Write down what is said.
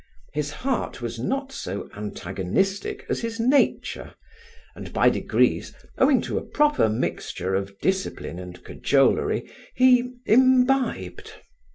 His heart was not so antagonistic as his nature, and by degrees, owing to a proper mixture of discipline and cajolery, he imbibed.